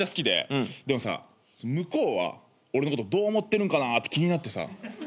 でもさ向こうは俺のことどう思ってるんかなって気になってさ。